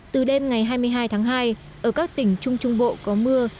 từ đêm ngày hai mươi hai tháng hai ở các tỉnh trung trung bộ có mưa